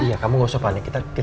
iya kamu gak usah panik